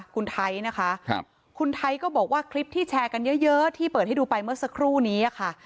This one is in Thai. คุณไทยนะคะคุณไทยก็บอกว่าคลิปที่แชร์กันเยอะที่เปิดให้ดูไปเมื่อสักครู่นี้ค่ะ